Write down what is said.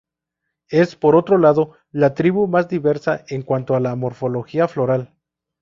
Es, por otro lado, la tribu más diversa en cuanto a morfología floral.